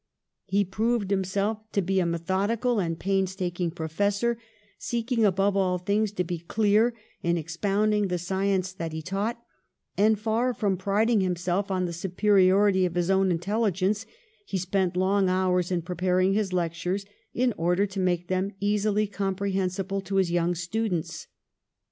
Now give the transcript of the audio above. He proved himself to be a methodical and painstaking professor, seeking above all things to be clear in expounding the science that he taught, and, far from priding himself on the superiority of his own intelli gence, he spent long hours in preparing his lec tures, in order to make them easily compre hensible to his young students.